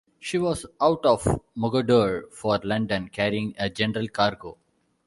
She was out of Mogodore for London carrying a general cargo.